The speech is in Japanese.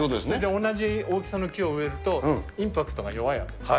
同じ大きさの木を植えると、インパクトが弱いわけですね。